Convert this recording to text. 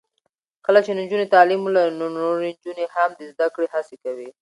کله چې نجونې تعلیم ولري، نو نورې نجونې هم د زده کړې هڅې کوي.